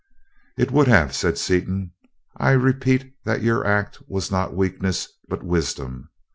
"It would have," said Seaton. "I repeat that your act was not weakness, but wisdom.